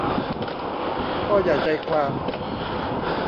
ข้อใหญ่ใจความ